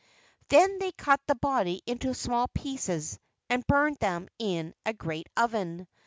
Then they cut the body into small pieces and burned them in a great oven.